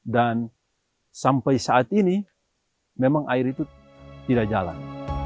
dan sampai saat ini memang air itu tidak jalan